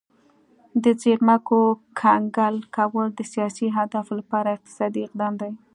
د زیرمو کنګل کول د سیاسي اهدافو لپاره اقتصادي اقدام دی